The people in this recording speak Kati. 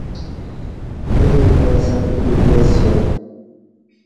ییں دیوکہ اہ صندوق اِپیسیا